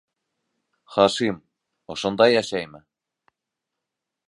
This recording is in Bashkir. Хашим... ошонда йәшәйме?